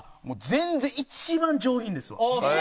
もう全然一番上品ですわ。